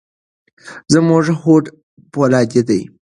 زموږ هوډ فولادي دی.